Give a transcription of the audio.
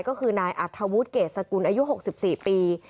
ก็คือนายอัธวุฒิเกรสกุลอายุ๖๔ปี